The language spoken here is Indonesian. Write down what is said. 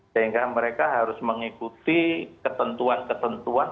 sehingga mereka harus mengikuti ketentuan ketentuan